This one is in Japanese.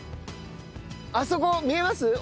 あそこ見えます？